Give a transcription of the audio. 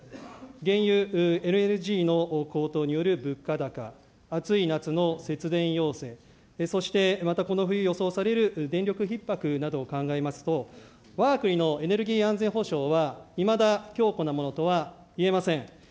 原油、ＬＮＧの高騰による物価高、暑い夏の節電要請、そしてまたこの冬予想される電力ひっ迫などを考えますと、わが国のエネルギー安全保障は今だ強固なものとはいえません。